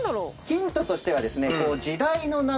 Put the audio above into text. ヒントとしてはですね。